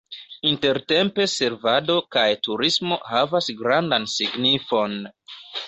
Intertempe servado kaj turismo havas grandan signifon.